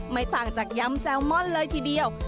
ไม่ต่างจากยำแซลมอนเลยทีเดียว